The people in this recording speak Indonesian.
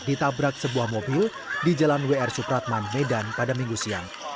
ditabrak sebuah mobil di jalan wr supratman medan pada minggu siang